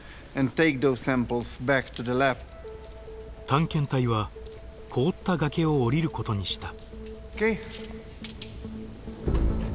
探検隊は凍った崖を降りることにした。